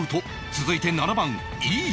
続いて７番井井